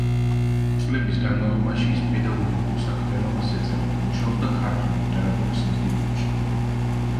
წლების განმავლობაში ის პედაგოგიკურ საქმიანობას ეწეოდა, მუშაობდა ქართული ლიტერატურის ინსტიტუტში.